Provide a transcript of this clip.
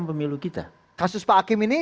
pemilu kita kasus pak hakim ini